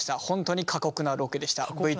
本当に過酷なロケでした。